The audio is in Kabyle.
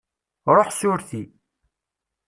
Ruḥ s urti.